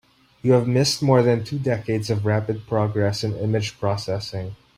You have missed more than two decades of rapid progress in image processing.